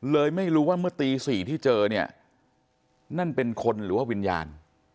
เลยไม่รู้ว่าเมื่อตี๔ที่เจอเนี่ยนั่นเป็นคนหรือว่าวิญญาณ